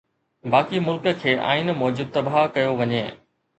باقي ملڪ کي آئين موجب تباهه ڪيو وڃي